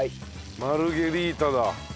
マルゲリータだ。